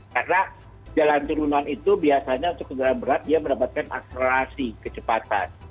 karena jalan turunan itu biasanya untuk kendaraan berat dia mendapatkan akselerasi kecepatan